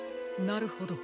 なるほど。